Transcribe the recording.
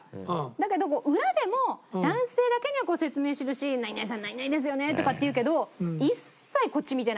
だけど裏でも男性だけには説明するし「何々さん何々ですよね」とかって言うけど一切こっち見てないっていう。